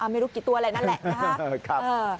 ไม่รู้กี่ตัวอะไรนั่นแหละ